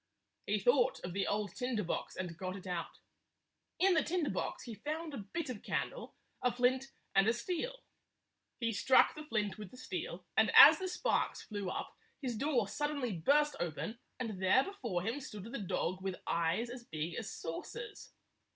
He thought of the old tinder box and got it out. In the tinder box he found a bit of candle, a flint, and a steel. He struck the flint with the steel, and as the sparks flew up, his door sud denly burst open, and there before him stood the dog with eyes as big as saucers.